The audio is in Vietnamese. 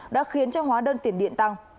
đã khiến hóa đơn tiền điện tăng